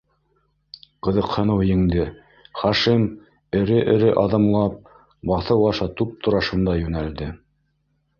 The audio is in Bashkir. Ҡыҙыҡһыныу еңде - Хашим, эре-эре аҙымлап, баҫыу аша туп-тура шунда йүнәлде.